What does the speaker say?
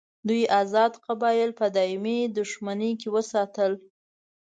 دوی آزاد قبایل په دایمي دښمني کې وساتل.